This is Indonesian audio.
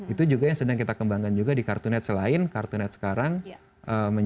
itu juga yang sedang kita kembangkan juga di cartoonet selain cartoonet sekarang menjadi media web